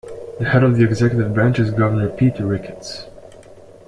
The head of the executive branch is Governor Pete Ricketts.